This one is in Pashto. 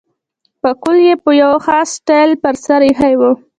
پکول یې په یو خاص سټایل پر سر اېښی وو.